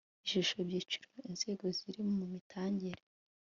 ishusho ibyiciro inzego zirimo mu mitangire